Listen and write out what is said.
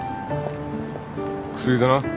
薬だな？